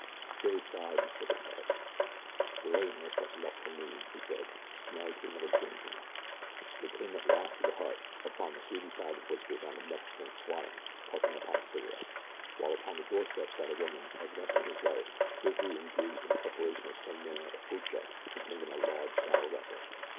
Billy sighed and shook his head. "There ain't no such luck for me," he said. "She's married to another gink now." They came at last to the hut, upon the shady side of which they found a Mexican squatting puffing upon a cigarette, while upon the doorstep sat a woman, evidently his wife, busily engaged in the preparation of some manner of foodstuff contained in a large, shallow vessel.